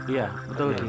iya betul ki